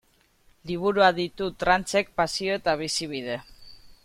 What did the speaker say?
Liburuak ditu Tranchek pasio eta bizibide.